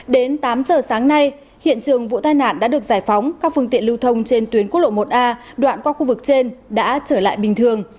đến tám giờ sáng nay hiện trường vụ tai nạn đã được giải phóng các phương tiện lưu thông trên tuyến quốc lộ một a đoạn qua khu vực trên đã trở lại bình thường